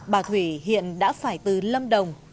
bà thủy hiện đã phải từ lâm đồng